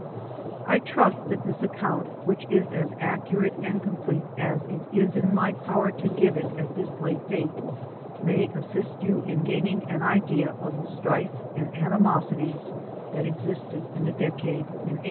I trust that this account, which is as accurate and complete as it is in my power to give it at this late date, may assist you in gaining an idea of the strife and animosities that existed in the decade in 1860.